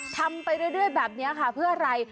ทำไปเรื่อยแบบนี้ค่ะเพื่ออะไร